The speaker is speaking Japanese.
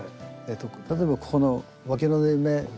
例えばここのわきの縫い目。